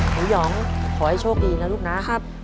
หยองขอให้โชคดีนะลูกนะครับ